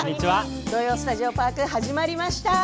「土曜スタジオパーク」始まりました。